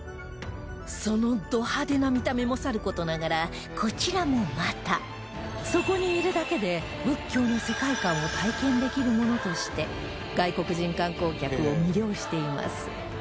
そのド派手な見た目もさる事ながらこちらもまたそこにいるだけで仏教の世界観を体験できるものとして外国人観光客を魅了しています